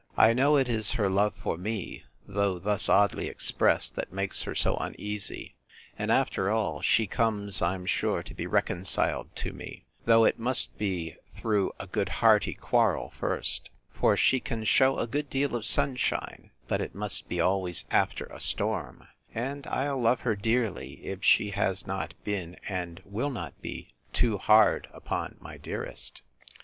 I know it is her love for me, though thus oddly expressed, that makes her so uneasy: and, after all, she comes, I'm sure, to be reconciled to me; though it must be through a good hearty quarrel first: for she can shew a good deal of sunshine; but it must be always after a storm; and I'll love her dearly, if she has not been, and will not be, too hard upon my dearest.